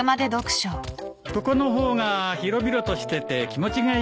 ここの方が広々としてて気持ちがいいからね。